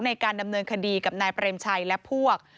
ในการดำเนินคดีกับนายเปรมชัยและพวก